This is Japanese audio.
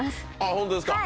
ホントですか。